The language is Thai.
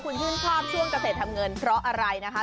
คุณชื่นชอบช่วงเกษตรทำเงินเพราะอะไรนะคะ